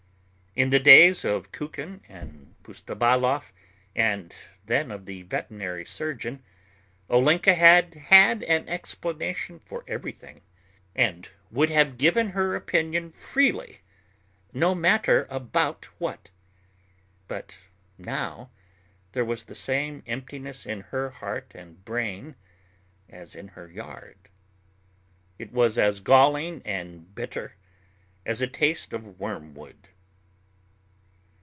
In the days of Kukin and Pustovalov and then of the veterinary surgeon, Olenka had had an explanation for everything, and would have given her opinion freely no matter about what. But now there was the same emptiness in her heart and brain as in her yard. It was as galling and bitter as a taste of wormwood.